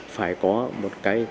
phải có một cái